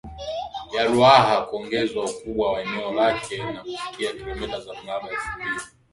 ya Ruaha kuongezwa ukubwa wa eneo lake na kufikia kilomita za mraba elfu mbili